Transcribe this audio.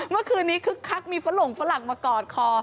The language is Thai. เมื่อคืนนี้คึกคักมีฟะหลงฟะหลักมากอดคอ